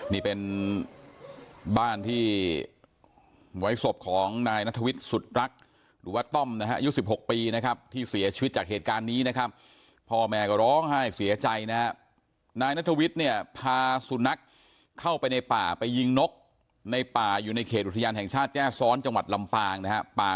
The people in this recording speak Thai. นี่เป็นบ้านที่ไว้ศพของนายนัทวิทย์สุดรักหรือว่าต้อมนะฮะอายุ๑๖ปีนะครับที่เสียชีวิตจากเหตุการณ์นี้นะครับพ่อแม่ก็ร้องไห้เสียใจนะฮะนายนัทวิทย์เนี่ยพาสุนัขเข้าไปในป่าไปยิงนกในป่าอยู่ในเขตอุทยานแห่งชาติแจ้ซ้อนจังหวัดลำปางนะฮะป่า